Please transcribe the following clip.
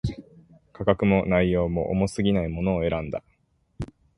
価格も、内容も、重過ぎないものを選んだ